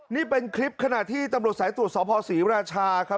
นี่เป็นคลิปขณะที่ตำรวจสายตรวจสภศรีราชาครับ